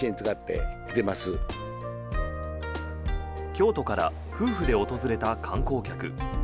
京都から夫婦で訪れた観光客。